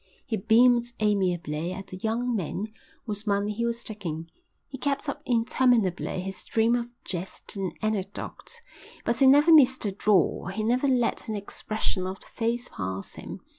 He beamed amiably at the young men whose money he was taking. He kept up interminably his stream of jest and anecdote, but he never missed a draw, he never let an expression of the face pass him.